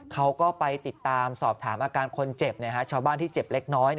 เขาก็ไปติดตามสอบถามอาการคนเจ็บชาวบ้านที่เจ็บเล็กน้อย